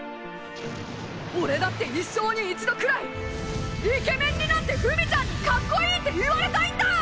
俺だって一生に一度くらいイケメンになってフミちゃんにかっこいいって言われたいんだ！